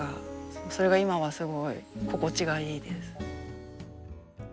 それが今はすごい心地がいいです。